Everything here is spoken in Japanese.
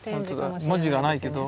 文字がないけど。